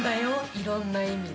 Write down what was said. いろんな意味で。